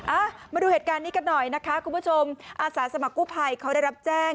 อ่ะมาดูเหตุการณ์นี้กันหน่อยนะคะคุณผู้ชม